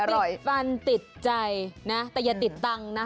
ติดฟันติดใจนะแต่อย่าติดตังค์นะ